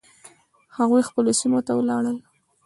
هغوی خپلو سیمو ته ولاړل.